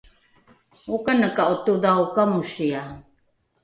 okaneka’o todhao kamosia?